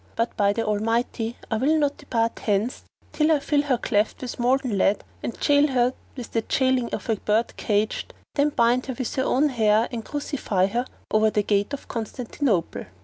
But by the Almighty I will not depart hence till I fill her cleft with molten lead and jail her with the jailing of a bird encaged, then bind her with her own hair and crucify her over the gate of Constantinople."